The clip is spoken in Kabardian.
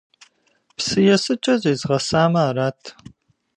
Псы есыкӏэ зезгъэсамэ арат!